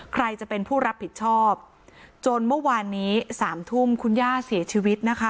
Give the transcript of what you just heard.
ใครจะเป็นผู้รับผิดชอบจนเมื่อวานนี้๓ทุ่มคุณย่าเสียชีวิตนะคะ